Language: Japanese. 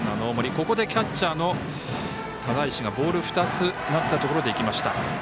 ここでキャッチャーの只石がボール２つになったところで行きました。